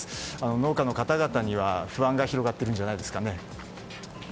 農家の方々には不安が広がっているんじゃないですか。